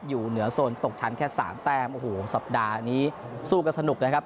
อยู่เหนือโซนตกชั้นแค่สามแต้มโอ้โหสัปดาห์นี้สู้กันสนุกนะครับ